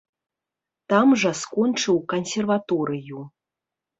Там жа скончыў кансерваторыю.